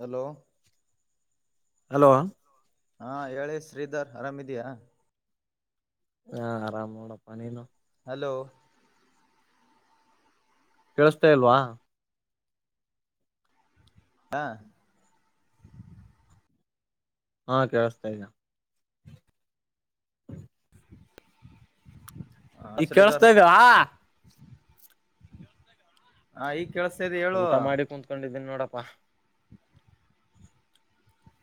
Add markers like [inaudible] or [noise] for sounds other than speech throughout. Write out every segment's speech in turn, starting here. Hello hello ಹಾ ಹೇಳಿ ಶ್ರೀಧರ್ ಆರಾಮಿದ್ಯಾ. ಹಾ ಆರಾಮ್ ನೋಡಪ್ಪ ನೀನು. ಹಲೋ ಕೇಳುಸ್ತಾ ಇಲ್ವಾ. ಹಾ ಹಾ ಕೇಳುಸ್ತಾ ಇದೆ. ಹ ಇಗ್ ಶ್ರೀಧರ್ ಕೇಳುಸ್ತಾ ಇದ್ವ. ಹ ಈಗ್ ಕೇಳುಸ್ತಾ ಊಟ ಮಾಡಿ ಕುತ್ಕೊಂಡಿದ್ದೀನಿ ನೋಡಪ್ಪಾ.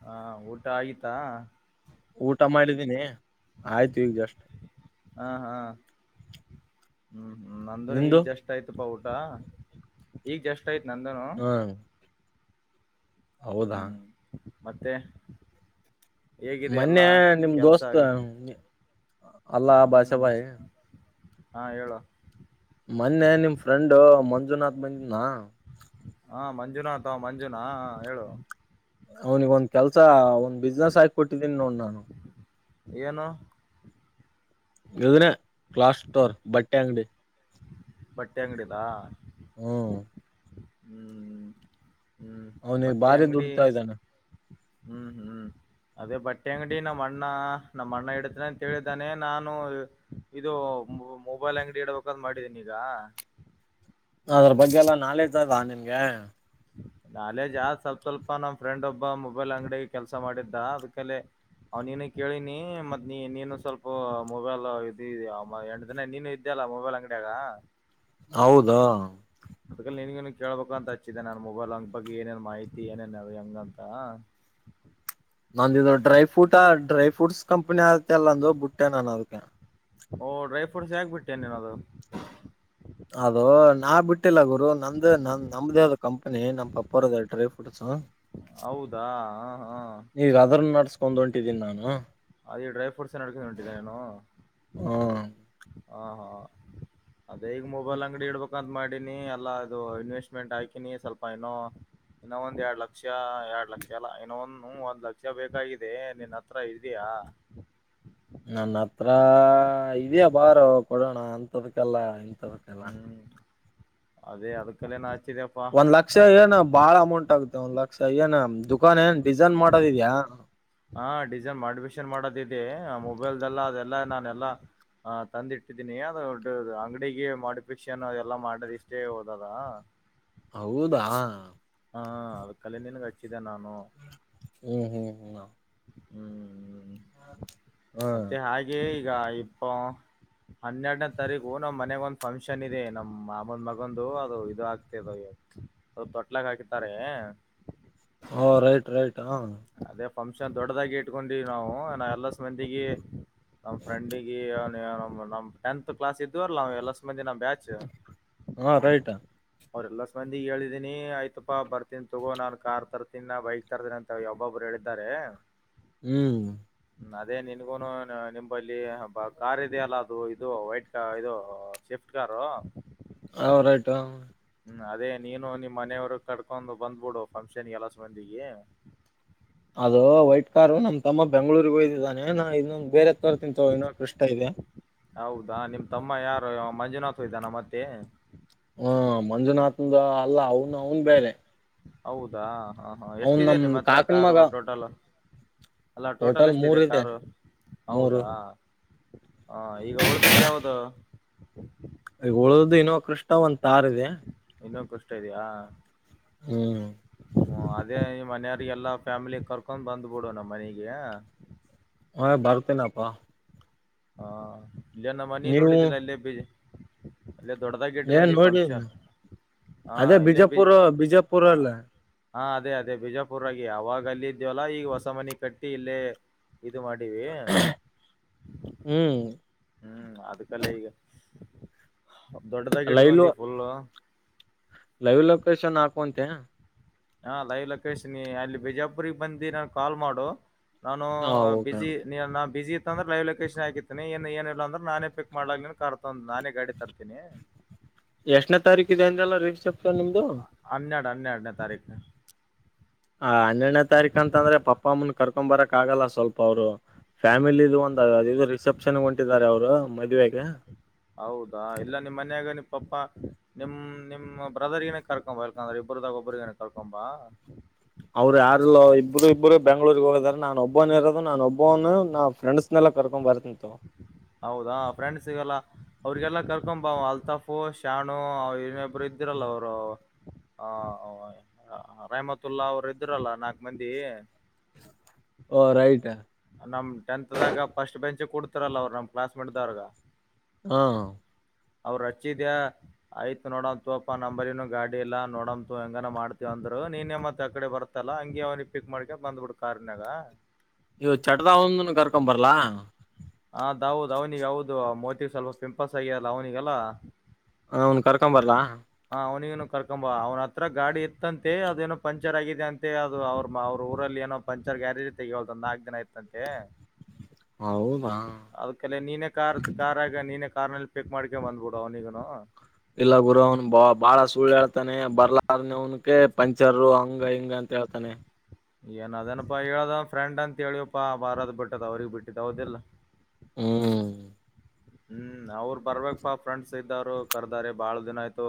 ಹಾ ಊಟ ಆಯಿತಾ. ಊಟ ಮಾಡಿದ್ದೀನಿ ಆಯ್ತು ಈಗ್ ಜಸ್ಟ್ ಹಾ ಹಾ ಹ್ಮ್ ಹ್ಮ್ ನಂದುನು ನಿಂದು ಈಗ್ ಜಸ್ ಎಷ್ಟ ಆಯ್ತಪ್ಪಾ ಊಟ ಈಗ ಜಸ್ಟ್ ಆಯ್ತು ನಂದುನು. ಹಾ ಹೌದಾ ಹ್ಮ್ ಮತ್ತೆ ಹೇಗಿದೆ ಮೊನ್ನೆ ಎಲ್ಲಾ ನಿಮ್ ಕೆಲ್ಸ ದೋಸ್ತ್ ಆಗಿ ಅಲ್ಲಾ ಹ್ಮ್. ಬಾಷಾಭಾಯಿ ಹಾ ಹೇಳು. ಮೊನ್ನೆ ನಿಮ್ ಫ್ರೆಂಡು ಮಂಜುನಾಥ್ ಬಂದಿದ್ನಾ. ಹಾ ಮಂಜುನಾಥವ್ ಮಂಜುನಾ ಹ ಹೇಳು. ಅವ್ನಿಗ್ ಒಂದ್ ಕೆಲ್ಸ ಒಂದ್ ಬಿಸ್ನೆಸ್ ಹಾಕಿ ಕೊಟ್ಟಿದ್ದೀನ್ ನೋಡ್ ನಾನು. ಏನು ಇದನ್ನೆ ಕ್ಲಾಸ್ ಸ್ಟೋರ್ ಬಟ್ಟೆ ಅಂಗ್ಡಿ. ಬಟ್ಟೆ ಅಂಗ್ಡಿದಾ. ಹು ಹ್ಮ್ ಹ್ಮ್ ಅವ್ನಿಗೆ ಬಟ್ಟೆ ಬಾರಿ ಅಂಗ್ಡಿ. ದುಡ್ತಾ ಇದ್ದಾನೆ ಹ್ಮ್ ಹ್ಮ್. ಅದೇ ಬಟ್ಟೆ ಅಂಗ್ಡಿ ನಮ್ ಅಣ್ಣ ನಮ್ ಅಣ್ಣ ಹಿಡತ ಅಂತ ಹೇಳಿದಾನೆ ನಾನು. ಇದು ಮೊಬೈಲ್ ಅಂಗ್ಡಿ ಇಡ್ಬೇಕಂತ್ ಮಾಡಿದೀನಿ ಈಗ. ಅದ್ರ ಬಗ್ಗೆ ಎಲ್ಲಾ ನಾಲೆಜ್ ಅದ ನಿಮ್ಗೆ. [unintelligible] ನಾಲೇಜ್ ಆದ್ ಸ್ವಲ್ಪ ಸ್ವಲ್ಪ ನಮ್ ಫ್ರೆಂಡ್ ಒಬ್ಬ ಮೊಬೈಲ್ ಅಂಗ್ಡಿಗೆ ಕೆಲ್ಸ ಮಾಡಿದ್ದ ಅದ್ಕಲೆ ಅವ್ ನೀನೆ ಕೇಳಿನಿ ಮತ್ ನೀ ನೀನು ಸ್ವಲ್ಪ ಮೊಬೈಲ್ ಇದಿ ಎಂಟ್ ದಿನ ನೀನೆ ಇದ್ ಇದ್ಯಲ್ಲ ಮೊಬೈಲ್ ಅಂಗ್ಡಿಯಾಗ. ಹೌದಾ ಅದಕಲ್ಲಿ ನಿನ್ಗೇನು ಕೇಳ್ಬೇಕಂತ ಹಚ್ಚಿದೆ ನನ್ನ ಮೊಬೈಲ್ ಹಂಗ ಬಗ್ಗೆ ಏನೇನ್ ಮಾಹಿತಿ ಏನೇನ್ ಹೆಂಗಂತ. ನಂದಿದ ಡ್ರೈ ಫುಟಾ ಡ್ರೈ ಫ್ರೂಟ್ಸ್ ಕಂಪನಿ ಆಯ್ತಲ್ ನಂದು ಬುಟ್ಟೆ ನನ್ ಅದುಕೆ. ಓ ಡ್ರೈ ಫ್ರೂಟ್ಸ್ ಯಾಕ್ ಬಿಟ್ಟೆ ನಿನ್ ಅದು. ಅದೂ ನಾ ಬಿಟ್ ಟಿಲ್ಲ ಗುರು ನಂದೇ ನ ನಮ್ದೇ ಅದ್ ಕಂಪ್ನಿ ನಮ್ ಪಪ್ಪರದ್ ಡ್ರೈ ಫ್ರೂಟ್ಸ್. ಹೌದಾ ಹ ಹಾ ಈಗ ಅದ್ರನ್ ನಡ್ಸ್ಕೊಂದ್ ಹೊಂಟಿದಿನ್ ನಾನು. ಅದೇ ಡ್ರೈ ಫ್ರೂಟ್ಸ್ [unintelligible] ನೀನೂ. ಹ್ಮ್. ಹಾಂ ಹಾಂ ಅದೇ ಈಗ್ ಮೊಬೈಲ್ ಅಂಗ್ಡಿ ಇಡ್ಬೊಕ್ ನದ್ ಮಾಡಿನಿ ಅಲ್ಲ ಅದೂ ಇನ್ವೆಸ್ಟ್ಮೆಂಟ್ ಹಾಕಿನಿ ಸ್ವಲ್ಪ ಏನೋ ಇನ್ನೋಂದ್ ಎರ್ಡ್ ಲಕ್ ಕ್ಷ ಎಡ್ ಲಕ್ಷ ಅಲ್ಲಾ ಇನ್ನೋಂದ್ ಹು ಒಂದ್ ಲಕ್ಷ ಬೇಕಾಗಿದೇ ನಿನ್ ಹತ್ರ ಇದಿಯಾ. ನನ್ ಹತ್ರಾ ಇದ್ಯಾ ಬಾರೊ ಕೊಡಣ ಅಂತದಕಲ್ಲ ಇಂಥದಕಲ್ಲ. ಹ್ಮ್ ಅದೇ ಅದ್ಕ ನಿನ್ ಹಚ್ಚಿದೆಪ. ಒಂದ್ ಲಕ್ಷ ಏನ್ ಬಾಳ ಅಮೌಂಟ್ ಆಗುತ್ತೆ ಒಂದ್ ಲಕ್ಷ ಏನ್ ದುಖಾನ್ ಏನ್ ಡಿಸನ್ ಮಾಡೋದಿದ್ಯಾ. ಹಾಂ ಡಿಸನ್ ಮಾಡ್ಫಿಷನ್ ಮಾಡದಿದೇ ಮೊಬೈಲ್ದೆಲ್ಲ ಅದೆಲ್ಲ ನಾನ್ ಎಲ್ಲಾ. ಹಾಂ ತಂದ್ ಇಟ್ಟಿದ್ದೀನಿ [unintelligible] ಅಂಗ್ಡಿಗೆ ಮೋಡಿಫಿಕ್ಷನ್ ಅದೆಲ್ಲಾ ಮಾಡದ್ ಇಷ್ಟೇ ಹೋದಲ್ಲಾ. ಹೌದಾ. ಹಾಂ ಅದಕ್ಕಲೆ ನಿನಿಗ್ ಹಚ್ಚಿದೆ ನಾನು. ಹ್ಮ್ ಹ್ಮ್ ಹ್ಮ್ ಮ ಹ್ಮ್ ಹಾ ಮತ್ತೆ ಹಾಗೆ ಈಗ ಇಪ್ಪೋ. ಹನ್ನೆಡ್ನೇ ತರೀಕು ನಮ್ ಮನೆಗ್ ಒಂದ್ ಫಂಕ್ಷನ್ ಇದೇ ನಮ್ ಮಾಮಂದ್ ಮಗಂದು ಅದು ಇದ್ ಆಕ್ತಿದವಿ. ಸ್ವಲ್ಪ್ ತೊಟ್ಲಾಗ್ ಹಾಕಿತ್ತಾರೆ. ಓ ರೈಟ್ ರೈಟ್ ಹಾಂ. ಅದೇ ಫಂಕ್ಷನ್ ದೊಡ್ದಾಗಿ ಇಟ್ಕೊಂಡಿವ್ ನಾವು ನ ಎಲ್ಲ [unintelligible] ನಮ್ ಫ್ರೆಂಡಿಗೆ [unintelligible] ನಮ್ ಟೆಂತ್ ಕ್ಲಾಸ್ ಇದ್ದೋರ್ಲ ಎಲಸ್ ಮಂದಿ ನಮ್ ಬ್ಯಾಚ್. ಹಾಂ ರೈಟ್. ಅವ್ರೆಲ್ಲ ಸ್ ಮಂದಿಗ್ ಹೇಳಿದೀನಿ ಆಯ್ತಪ್ಪಾ ಬರ್ತಿನ್ ತಗೋ ನಾನ್ ಕಾರ್ ತರ್ತಿನ್ ನಾ ಬೈಕ್. ತರ್ತಿನ್ ಅಂತ ಯೊಬೊಬ್ಬ್ರ್ ಹೇಳಿದ್ದಾರೆ. ಹ್ಮ್. ಅದೇ ನಿನ್ಗುನು ನಿಂಬಲ್ಲಿ ಕಾರ್ ಇದೆಯಲ್ಲ ಅದು ಇದು ವೈಟ್ ಕ ಇದೂ. Shift car. ಹಾಂ ರೈಟ್ ಹಾಂ ಹಾಂ. ಹ್ಮ್ ಅದೇ ನೀನು ನಿಮ್ ಮನೆವ್ರು ಕಡ್ಕೊಂದು ಬಂದ್ಬುಡು ಫಂಕ್ಷನ್ ಎಲ್ಲಾಸ್ ಮಂದಿಗೆ. ಅದೂ ವೈಟ್ ಕಾರು ನಮ್ ತಮ್ಮ ಬೆಂಗ್ಳೂರಿಗ್ ಹೊಯಿದಾನೆ ನಾ ಇನ್ನೊಂದ್ ಬೇರೆದ್ ತರ್ತಿನ್ ತಗೊ ಇನ್ನೊಂದ್ ಕ್ರಿಷ್ಟ ಇದೇ. ಹೌದಾ ನಿಮ್ ತಮ್ಮ ಯಾರು ಮಂಜುನಾಥ್ ಇದ್ದಾನ ಮತ್ತೆ. ಹಾಂ ಮಂಜುನಾಥಂದ ಅಲ್ಲ ಅವ್ನ್ ಅವ್ನ್ ಬೇರೆ. ಹೌದಾ ಹಾಂ ಹಾಂ ಅವ್ನ್ ಎಷ್ಟಿದೆ ನಮ್ ನಿಮ್ ಹತ್ರ ಕಾಕನ್ ಕಾರು ಮಗ ಟೋಟಲ್. ಅಲ್ಲ ಟೋಟಲ್ ಎಷ್ಟಿದೆ ಮೂರ್ ಇದೆ ಕಾರು ಮೂರು ಹೌದಾ. ಹಾಂ ಈಗ್ ಉಳ್ದಿದ್ದ್ ಯಾವ್ದು. ಈಗ್ ಉಳ್ದಿದ್ದ್ ಇನ್ನೊಂದ್ ಕ್ರಿಷ್ಟ ಒಂದ್ ತಾರ್ ಇದೇ. ಇನ್ನೊಂದ್ ಕ್ರಿಷ್ಟ ಇದ್ಯಾ. ಹ್ಮ್. ಹು ಅದೇ ನಿಮ್ ಮನೆಯವ್ರಿಗ್ ಎಲ್ಲಾ ಫ್ಯಾಮಿಲಿ ಕರ್ಕೊಂದ್ ಬಂದ್ಬುಡು ನಮ್ ಮನೆಗೇ. ಹಾಂ ಬರ್ತಿನ್ ಅಪ. ಹಾಂ ಇಲ್ಲೇ ನಮ್ ಮನೆ ನೀವು ನೋಡಿದ್ದಿಲ್ಲ ಇಲ್ಲೇ ಬೀದಿ. ಅದೆ ದೊಡ್ಡದಾಗಿ ಏನ್ ಇಟ್ಕಂದಿ ನೋಡಿ ಫಂಕ್ಷನ್. ಹಾ ಅದೇ ಇಲ್ಲೇ ಬಿ ಬಿಜಾಪುರ್ ಬಿಜಾಪುರ ಅಲ್ಲ. ಹಾ ಅದೇ ಅದೇ ಬಿಜಾಪುರಾಗಿ ಅವಾಗ ಅಲ್ಲ ಇದ್ಯವಲ್ಲ ಈಗ ಹೊಸ ಮನಿ ಕಟ್ಟಿ ಇಲ್ಲೇ. ಇದು ಮಾಡೀವಿ. ಹ್ಮ್ ಹ್ಮ್ ಅದಿಕ್ಕಲೇ ಈಗ ದೊಡ್ಡದಾಗಿ ಲೈವ್ ಇಟ್ಕೊಂಡೀವಿ ಫುಲ್ಲು. ಲೈವ್ ಲೊಕೇಶನ್ ಹಾಕು ಅಂತ. ಹಾಂ ಲೈವ್ ಲೊಕೇಶನಿ ಅಲ್ಲಿ ಬಿಜಾಪುರಿಗೆ ಬಂದು ನನಗೆ ಕಾಲ್ ಮಾಡು ನಾನು ಹ ಓಕೆ ಬ್ಯುಸಿ. ನೀ ನಾ ಬಿಸಿ ಇತ್ತಂದ್ರೆ ಲೈವ್ ಲೊಕೇಶನ್ ಹಾಕತಿನೀ ಏನಿಲ್ಲ ಅಂದ್ರ ನಾನೇ ಪಿಕ್ ಮಾಡಲ ಕರ್ ತಂದು ನಾನೇ ಗಾಡಿ ತರ್ತೀನಿ. ಎಷ್ಟನೇ ತಾರೀಕು ಇದೆ ಅಂದಲ್ಲ ರೀಫ್ ಸೆಪ್ತ ನಿಮ್ದು. ಹನ್ನೆರಡು ಹನ್ನೆರಡುನೆ ತಾರೀಕು. ಹ ಹನ್ನೆರಡನೇ ತಾರೀಕ ಅಂದ್ರೆ ಪಪ್ಪ ಅಮ್ಮನ್ ಕರ್ಕೊ ಬರಕ್ ಆಗಲ್ಲ ಸ್ವಲ್ಪ ಅವ್ರು ಫ್ಯಾಮಿಲಿ. ಇ ಒಂದ ಇದು ರಿಸೆಪ್ಷನ್ ಹೊಂಟಿದ್ದಾರೆ ಅವರು ಮದುವೆಗೆ. ಹೌದಾ ಇಲ್ಲ ನಿಮ್ಮ ಮನೆಯಾಗ ನಿಮ್ಮ ಪಪ್ಪ. ನಿಮ್ ನಿಮ್ಮ್ ಬ್ರದರ್ಗನೇ ಕರ್ಕೊಂಬ ಎಲ್ಕಂದ್ರ ಇಬ್ಬ್ರದಾಗ ಒಬ್ಬ್ರಗನ ಕರ್ಕೊಂಬ. ಅವ್ರು ಯಾರೀಲ್ಲೋ ಇಬ್ಬರು ಇಬ್ಬರು ಬೆಂಗಳೂರಿಗೆ ಹೋಗದಾರ ನಾನ ಒಬ್ಬನು ಇರೋದು ನಾನುಬ್ಬನು ನಾ ಫ್ರೆಂಡ್ಸ್. ಕರಕೊಂಡು ಬರ್ತೀನಿ ಬಿಡು. ಹೌದಾ ಫ್ರೆಂಡ್ಸ್ಗಲ್ಲ. ಅವ್ರಿಗೆಲ್ಲ ಕರ್ಕೊಬಾ ಅಲ್ತಾಫು ಶಾನು ಅವ ಇನ್ನೊಬ್ಬರು ಇದ್ದಿರಲ್ಲ ಅವರು. ಹ ರೆಹಮಾತುಲ್ಲ ಅವರು ಇದ್ರಲ್ಲ ನಾಕ್ ಮಂದಿ ಓ ರೈಟ್. ನಮ್ ಟೆಂತ್ದಾಗ ಫಸ್ಟ್ ಬೆಂಚ್ ಕೊಡ್ತಿರಲ್ಲ ಅವ್ ನಮ್ಮ ಕ್ಲಾಸ್ ಮೇಟ್ದಾಗ. ಹಾ. ಅವ್ರ ಅಜ್ಜಿದೆ. ಆಯ್ತ್ ನೋಡೋಣ ತಕೊಪ್ಪ ನಂಬರ್ನು ಗಾಡಿ ಎಲ್ಲಾ ನೋಡಂತು ಹೆಂಗನ ಮಾಡ್ತವ ಅಂದ್ ನೀನೇ ಮತ್ ಆಕಡೆ ಬರ್. ಇತ್ತಲ್ಲಾ ಹಂಗೆ ಅವನಿಗೆ ಪಿಕ್ ಮಾಡ್ಕೆಕೊಂಡು ಬಂದ್ಬಿಡ್ ಕಾರ್ನಾಗ. ಇವು ಚಟಒಂದನು ಕರ್ಕೊ ಬರ್ಲ್ಲಾ. ಅದೌದು ಅವ್ನಿಗೆ ಹೌದು ಮೋತಿವ್ ಸ್ವಲ್ಪ ಪಿಂಪಲ್ಸ್ ಆಗ್ಯಲ್ಲ ಅವ್ನಿಗೆಲ್ಲಾ. ಅವನ್ ಕರ್ಕೊಂಬರ್ಲ್ಲಾ. ಹಾ ಅವ್ನಿನು ಕರ್ಕೊಂಬ ಅವ್ನ ಹತ್ರ ಗಾಡಿ ಇತ್ತಂತೆ ಅದೇನು ಪಂಚರ್ ಆಗಿದೆ ಅಂತೆ ಅದು ಅವ್ರ. ಮ್ಮ ಅವ್ರ ಊರಲ್ಲಿ ಏನೋ ಪಂಚರ್ ಗ್ಯಾರೇಜ್ ತೆಗವದ ನಾಲ್ಕು ದಿನ ಐತ್ತಂತೆ. ಹೌದಾ ಅದಕಲೆ ನೀನೇ ಕಾರ್ ಕಾರ್. ಈಗ ನೀನೇ ಕಾರ್ ನಲ್ಲಿ ಪಿಕ್ ಮಾಡ್ಕೊಂಡ ಬಂದ್ಬಿಡು ಅವನಿಗನು. ಎಲ್ಲ ಗುರು ಅವ್ನು ಬಾಪ. ಬಾಳ ಸುಳ್ಳು ಹೇಳ್ತಾನೆ ಬರ್ಲಾರನವನಕ ಪಂಚರ್ ಹಂಗ ಹಿಂಗ ಅಂತ ಹೇಳ್ತಾನೆ. ಏನ ಅದನಪ್ಪಾ ಹೇಳ್ದ ಫ್ರೆಂಡ್ ಅಂತ ಹೇಳಿವಪ್ಪಾ ಬಾರದ್ ಬಿಡೋದು ಅವ್ರಿಗ್ ಬಿಟ್ಟಿದು ಹೌದಿಲ್ವ. ಹ್ಮ್ ಹ್ಮ್ ಅವ್ರರು ಬರ್ಬೇಕಪ್ಪಾ ಫ್ರೆಂಡ್ಸ್ ಇದ್ದರು ಕರ್ದಾರಿ ಬಹಳ ದಿನ ಆಯ್ತು.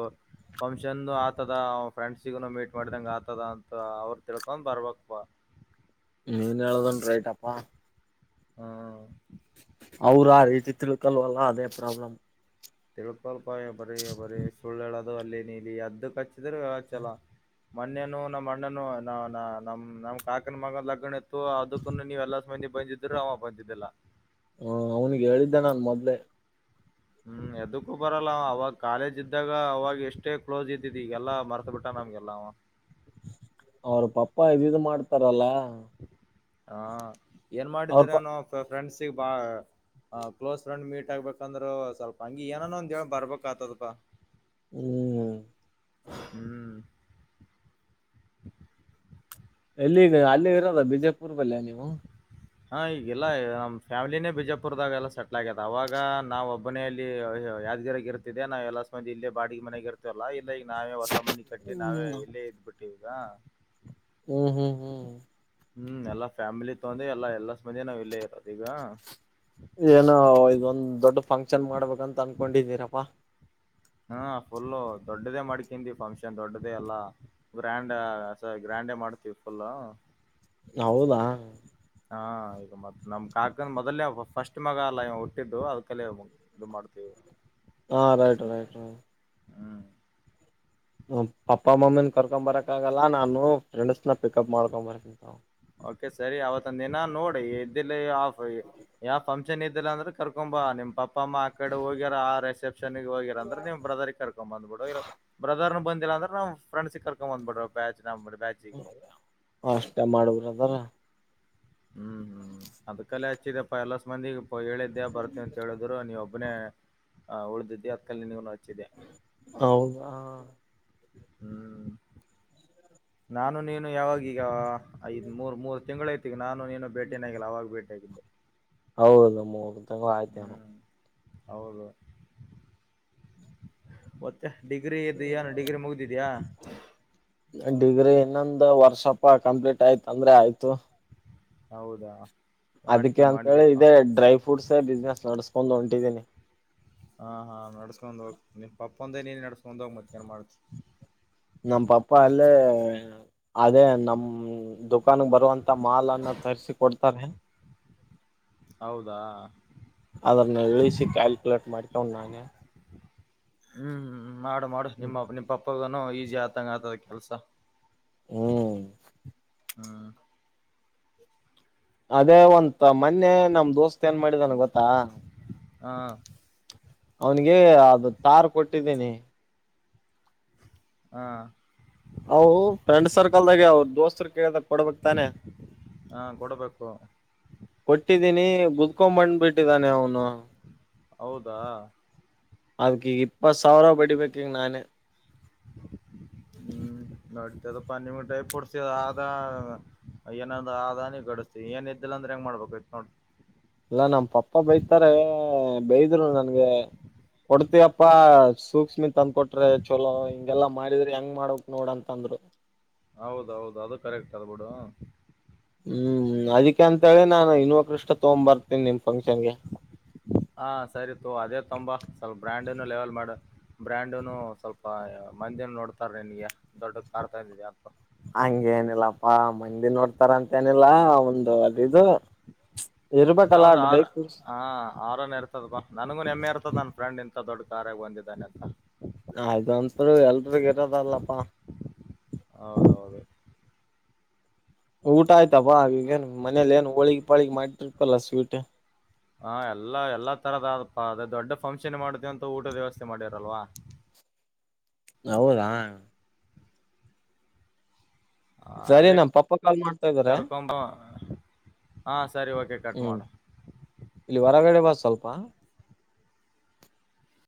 ಫಂಕ್ಷನ್ ಆತದ ಅವ ಫ್ರೆಂಡ್ಸಿಗುನು ಮೀಟ್ ಮಾಡಿದಂಗಗೆ ಆತದ ಅಂತ ಅವ್ರು ತಿಳ್ಕೊಂಡ್ ಬರಬೇಕಪ್ಪ. ಏನ್ ಹೇಳೋದನ್ ರೈಟ್ಯಪ್ಪಾ. ಹಾ ಅವ್ರ ಆ ರೀತಿ ತಿಳ್ಕಲ್ವಲ್ಲ ಅದೇ ಪ್ರಾಬ್ಲಮ್. ತಿಳ್ಕೊಲ್ಪ ಬರೀ ಬರೀ ಸುಳ್ಳು ಹೇಳೋದು ಅಲ್ಲೇ ನೀಲಿ ಅದ್ದಕ್ ಹಚ್ಚಿದ್ರ ಹಚ್ಚಲ್ಲ. ಮೊನೇನು ನಮ್ಮ್ ಅಣ್ಣನು ನಾ ನಾ ನಮ್ ಕಾಕನ ಮಗನ ಲಗ್ಗಣ ಇತ್ತು ಅದ. ಪುನಃ ನೀವುವೆಲ್ಲಾ ಮಂದಿ ಬಂದಿದ್ರು ಅವ ಬಂದಿದ್ದಿಲ್ಲ. ಹಾ ಅವ್ನಿಗೆ ಹೇಳಿದ್ದೆ ನನ್ ಮೊದ್ಲೆ. ಹ್ಮ್ ಎದಕ್ಕೂ ಬರಲ್ಲ ಅವಾಗ ಕಾಲೇಜ್ ಇದ್ದಾಗ ಅವಾಗ ಇಷ್ಟೇ ಕ್ಲೋಸ್ ಇದ್ದಿದ ಈಗೆಲ್ಲಾ ಮರ್ತ ಬಿಟ್ಟ ನಮ್ಗೆಲ್ಲ ಅವ ಅವ್ರ ಪಪ್ಪಾ ಇದು ಮಾಡ್ತಾರಲ್ಲ ಹ ಏನ್ ಅವ್ರ ಮಾಡಿದರ ಪ ನ ಫ್ರೆಂಡ್ಸಿಗೆ ಬಾ ಹ ಕ್ಲೋಸ್ ಫ್ರೆಂಡ್ ಮೀಟ್ ಆಬೇಕಂದ್ರೆ ಸ್ವಲ್ಪ ಹಂಗ ಏನೋ ಒಂದ ಹೇಳ ಬರ್ಬೇಕಕ್ ಆತದಪ್ಪಾ ಹ್ಮ್ ಹ್ಮ್ ಎಲ್ಲಿಗ ಅಲ್ಲಿ ಇರೋ ಬಿಜಾಪುರ ದಲ್ಲಿ ನೀವು ಹಾ ಈಗಲ್ಲ ನಮ್ಮ ಪ್ಯಾಮಿಲಿನೇ ಬಿಜಾಪುರದಾಗೆಲ್ಲ ಸೆಟ್ಲ ಆಗ್ಯದ ಅವವಾಗ ನಾವ ಮನೆಯಲ್ಲಿ ಯಾದಗೆ ರ ಇರ್ತಿದೆ ನಾವ್ ಎಲ್ಲಂದಿ ಇಲ್ಲ ಬಾಡಿಗೆ ಮನೆಗೆ ಇರ್ತ ಇತಲ್ಲಾ ಇಲ್ಲ ಈಗ ನಾವೇ ಹೊಸ ಮನಿ ಕಟ್ಟಿ ಹ್ಮ್ ನಾವೇ ಇಲ್ಲೇ ಇದ್ ಬಿಟ್ಟಿವ ಈಗ ಹು ಹು ಹು ಹ್ಮ್ ಎಲ್ಲ ಫ್ಯಾಮಿಲಿ ತೊಂದ ಎಲ್ಲಾ ಎಲ್ಲ ಮಂದಿ ನಾವ್ ಇಲ್ಲೇ ಇರೋದು ಈಗ ಏನೋ ಇದೊಂದ್ ದೊಡ್ಡ ಫಂಕ್ಷನ್ ಮಾಡ್ಬೇಕಂತ ಅನ್ಕೊಂಡಿದೀನಪ್ಪಾ ಹ್ಮ ಫುಲ್ಲ ದೊಡ್ಡದೇ ಮಾಡ್ಕದಿ ಫಂಕ್ಷನ್ ದೊಡ್ಡದೇ ಎಲ್ಲಾ ಗ್ರ್ಯಾಂಡ ಸರಿ ಗ್ರ್ಯಾಂಡೇ ಮಾಡ್ತೀವಿ ಫುಲ್ಲ ಹೌದಾ ಹಾ ಈಗ ಮತ್ತ ನಮ್ ಕಾಕನ್ ಮೊದಲ್ನೇ ಫಸ್ಟ್ ಮಗ ಹುಟ್ಟಿದ್ದ ಅದ್ ಕಲ್ಲ ಹೋಗ ಇದು ಮಾಡ್ತೇವೆ ಹಾ ರೈಟ್ ರೈಟ್ ರೈ ಹ್ಮ್ ಪಪ್ಪ ಮಮ್ಮಿನ ಕರ್ಕೊಡ ಬರಕ್ಕಾಗಲ್ಲ ನಾನು ಫ್ರೆಂಡ್ಸ್ನ ಪಿಕಪ್ ಮಾಡ್ಕೊಡ ಬರತೀನಿ ತಗೋ ಓಕೆ ಸರಿ ಅವತ್ತ ದಿನ ನೋಡ ಇದಿಲ್ಲ ಯಪ ಯಾವಂಪ್ ಇದ್ದಿಲ್ಲ ಅಂದ್ರೆ ಕರ್ಕೊಂಬ ನಿಮ್ ಪಪ್ಪ ಅಮ್ಮ ಆ ಕಡೆ ಹೋಗ್ಯಾರ ಆ ರೆಸೆಪಿ [unintelligible] ಹೋಗಿರ ಅಂದ್ರೆ ನೀ ಬ್ರದರ್ಗ ಕರ್ಕೊಂಡ್ ಬಂದ್ಬಿಡು ಇಲ್ಲ ಬ್ರದರ್ ಬಂದಿಲ್ಲ ಅಂದ್ರೆ ನಾವು ಫ್ರೆಂಡ್ಸ್ ಕರ್ಕೊ ಬಂದ್ ಬಿಡ್ರ ಬ್ಯಾಚ್ ನಮ್ಮದ ಬ್ಯಾಚಿಗೆ. ಅಷ್ಟ ಮಾಡಬೇಕ ತಾನೆ ಹ್ಮ್ ಹ್ಮ್ ಅದಕ ಅಲ್ಲೇ ಹಚ್ಚಿದಪ್ಪ ಎಲ್ಲಸ ಮಂದಿಗೆ. ಓಹೋ ಹೇಳಿದ್ದೇ ಬರ್ತೇ ಅಂತ ಹೇಳಿದ್ರು ನೀವು ಒಬ್ಬನೇಹ ಉಳ್ದಿದ್ದಿ ಅದಕಲ್ಲಿ ನಿಗನು ಹಚ್ಚಿದ್ದೆ ಹೌದಾ ಹ್ಮ್ ನಾನು ನೀನು ಯಾವಾಗ ಈಗ ಐದ್ ಮೂರ್ ಮೂರು ತಿಂಗಳು ಐತಿ ಈಗ ನಾನು ನೀನು ಬೇಟೆನ ಆಗಿಲ್ಲ ಅವಾಗ ಭೇಟಿ ಆಗಿದ್ದ ಹೌದು ಮುರ ತಿಂಗ್ಳ ಆಯ್ತ ಹ್ಮ್ ಹೌದು ಮತ್ತೆ ಡಿಗ್ರಿ ಇದ ಏನು ಡಿಗ್ರಿ ಮುಗ್ದಿದ್ಯಾ ಡಿಗ್ರಿ ಇನ್ನೊಂದು ವರ್ಷಪ ಕಂಪ್ಲೀಟ್ ಆಯ್ತ ಅಂದ್ರೆ ಆಯ್ತು. ಹೌದಾ ಮಾಡಿಕೆ ಅದಕ್ಕೆ ಅಂತ ಹೇಳಿ ಮಾಡಿಕಪ್ಪಾ ಇದೇ ಡ್ರೈ ಫ್ರೂಟ್ಸ ಬಿಸ್ನೆಸ್ ನಡ್ಸ್ಕೊಂಡ ಹೊಂಟಿದೀನಿ. ಹಾ ಹಾ ನಡ್ಸ್ಕೊಂಡ್ ಹೋಗ ನಿ ಪಪ್ಪೊಂದೇ ನೀನು ನಡ್ಸ್ಕೊಂಡು ಹೋಗಿ ಮತ್ತೇನೆ ಮಾಡದ ನಮ್ಮ ಪಪ್ಪ ಅಲ್ಲೇ [inaudible] ಅದೇ ನಮ ದುಕಾನ್ ಗೆ ಬರುವಂತ ಮಾಲ್ನ್ನ ತರಿಸಿ ಕೊಡ್ತಾರೆ [inaudible] ಹೌದಾ ಅದನ್ನ ಇಳಿಸಿ ಕ್ಯಾಲ್ಕುಲೇಟ್ ಮಾಡ್ಕೊವ ನಾನೇ. [inaudible] ಹ್ಮ್ ಹ್ಮ್ ಮಾಡ ಮಾಡಸ ನಿಮ್ಮ ಪಪ್ಪಗ ಈಸಿ ಆತಂಗ ಆತದ ಕೆಲ್ಸ. ಹ್ಮ್ [inaudible] ಅದೇ ಒಂತ ಮೊನ್ನೆ ನಮ್ ದೋಸ್ತ್ ಏನ್ ಮಾಡಿದನ್ ಗೊತ್ತಾ. ಹಾ ಅವ್ನಿಗೆ ಅದು ತಾರ್ ಕೊಟ್ಟಿದ್ದೀನಿ. ಹಾ ಅವು ಫ್ರೆಂಡ್ ಸರ್ಕಲ್ದಾಗೆ ಅವ್ರ್ ದೋಸ್ತರ್ ಕೇಳ್ದಗ್ ಕೊಡ್ಬೇಕ್ ತಾನೆ. ಬೇಕು ಕೊಟ್ಟಿದ್ದೀನಿ ಗುತ್ಕೋ ಬಂದ್ಬಿಟ್ಟಿದ್ದಾನೆ ಅವ್ನು. ಹೌದಾ ಅದ್ಕಿ ಈಗ್ ಇಪ್ಪತ್ ಸಾವಿರ ಬಡಿಬೇಕ್ ಈಗ್ ನಾನೇ. ಹ್ಮ್ ನಟೆದಪ ನೀವು ಟೈ ಪುರ್ಸಿ ಅದಾ. ಅಯ್ಯ ನಂದ್ ಆದಾನಿ ಗಡಸ್ತಿ ಏನ್ ಇದ್ದಿಲ್ಲ ಅಂದ್ರ ಹೆಂಗ್ ಮಾಡ್ಬೇಕ್ ಆಯ್ತ್ ನೋಡು. ಇಲ್ಲ ನಮ್ಮ್ ಪಪ್ಪ ಬೈತ್ತರೆ ಬೈದ್ರು ನನ್ ಗೆ ಕೊಡ್ತಯಪ್ಪಾ ಸೂಕ್ಷ್ಮಿತ್ ತಂದ್ಕ ಕೊಟ್ರೆ ಚಲೋ ಹಿಂಗೆಲ್ಲಾ ಮಾಡಿದ್ರೆ ಹೆಂಗ್ ಮಾಡ್ಬೇಕ್ ನೋಡ್ ಅಂತಂದ್ರು. ಹೌದೌದು ಅದು ಕರೆಕ್ಟ್ ಅದ್ಬಿಡು. ಹ್ಮ್ ಅದಿಕೆ ಅಂತ ಹೇಳಿ ನಾನ್ ಇನ್ವ ಕೃಷ್ಣ ತಗೊಂಬ್ ಬರ್ತೇನಿ ನಿಮ್ ಫಂಕ್ಷನ್ಗೆ. ಹಾ ಸರಿ ತೊ ಅದೇ ತೊಗೊಂಬ ಸ್ವಲ್ಪ ಬ್ರ್ಯಾಂಡ್ನ ಲೆವೆಲ್ ಮಾಡು. ಬ್ರ್ಯಾಂಡುನು ಸ್ವಲ್ಪ ಮಂದಿ ನೋಡ್ತಾರ್ ನಿನ್ಗೆ ದೊಡ್ಡ ಕಾರ್ ತಂದಿದ್ಯ ಅಂತ. ಹಂಗೆನಿಲ್ಲಪ್ಪಾ ಮಂದಿ ನೋಡ್ತಾರ ಅಂತ ಏನಿಲ್ಲಾ ಒಂದು ಅದಿದು. ಇರ್ಬೇಕಲ್ಲ ಅದು ಲೈಫು. ಆರಾನ್ ಇರ್ತದ್ ಬಾ ನನಗೂ ನೆಮ್ಮೆ ಇರ್ತದ ನನ್ ಫ್ರೆಂಡ್ ಇಂತ ದೊಡ್ಡ ಕಾರಾಗ್ ಬಂದಿದ್ದಾನಂತ. ಅದಂತೃ ಎಲ್ರಿಗ್ ಇರದಲ್ಲಪ್ಪ. ಹೌದೌದು ಊಟ ಆಯ್ತ ಬಾ ಈಗೇನ್ ಮನೇಲಿ ಏನ್ ಹೋಳಿಗ್ ಪಾಳಿ ಮಾಡಿರ್ಪಲ್ಲ ಸ್ವೀಟ. ಹಾ ಎಲ್ಲಾ ಎಲ್ಲಾ ತರದಪ್ಪ ಅದೇ ದೊಡ್ಡ ಫಂಕ್ಷನ್ ಮಾಡ್ತೇವ್ ಅಂತ ಊಟದ್ ವ್ಯವಸ್ಥೆ ಮಾಡಿರಲ್ವಾ. ಹೌದಾ ಆ, ಸರಿ ಅದೇ ನಮ್ ಪಪ್ಪ ಕಾಲ್ ಮಾಡ್ತಾ ಇದಾರೆ ಕರ್ಕೊಂಬ ಹಾ ಸರಿ ಓಕೆ ಕಟ್ ಹ್ಮ್. ಮಾಡು ಇಲ್ಲಿ ಹೊರಗಡೆ ಬಾ ಸ್ವಲ್ಪ.